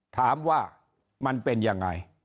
ถามว่ามันเป็นยังไง